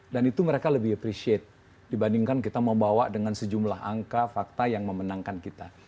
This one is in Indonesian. dan itu mereka lebih appreciate dibandingkan kita membawa dengan sejumlah angka fakta yang memenangkan kita